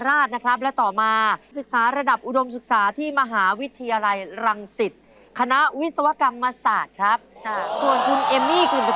เอาล่ะถูกข้อนี้ได้กันไปก่อน๕๐๐๐บาทเลย